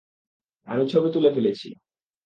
আমি ছবি তুলে ফেলেছি।